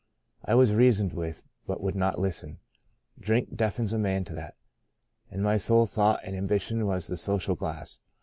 I was reasoned with, but would not listen — drink deafens a man to that — and my sole thought and ambition was the social glass.